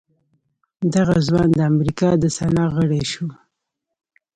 دغه ځوان د امريکا د سنا غړی شو.